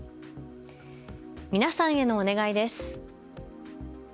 皆さんへのお願いです。